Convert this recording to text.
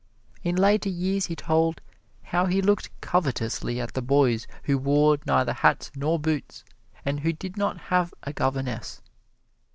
In later years he told how he looked covetously at the boys who wore neither hats nor boots, and who did not have a governess.